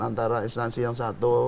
antara instansi yang satu